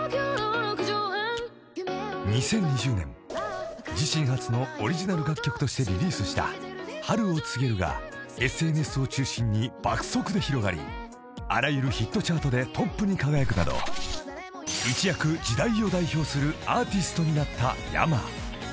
［２０２０年自身初のオリジナル楽曲としてリリースした『春を告げる』がＳＮＳを中心に爆速で広がりあらゆるヒットチャートでトップに輝くなど一躍時代を代表するアーティストになった］